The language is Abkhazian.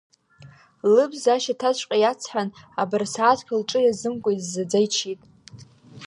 Лыбз ашьаҭаҵәҟьа иацҳан, абырсааҭк лҿы иазымкуа иззаӡа ичит.